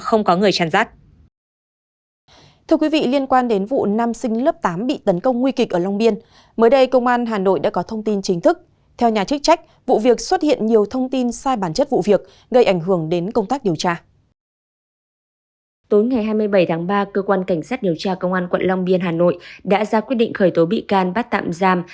tối ngày hai mươi bảy tháng ba cơ quan cảnh sát điều tra công an quận long biên hà nội đã ra quyết định khởi tố bị can bắt tạm giam